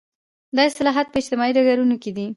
دا اصلاحات په اجتماعي ډګرونو کې دي.